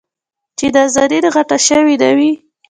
چې نازنين غټه شوې نه وي.